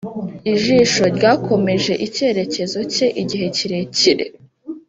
ijisho ryakomeje icyerekezo cye igihe kirekire;